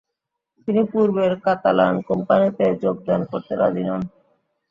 তিনি পূর্বের কাতালান কোম্পানিতে যোগদান করতে রাজি হন।